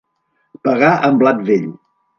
Pagar amb blat vell.